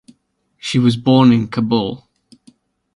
She was born in Kabul.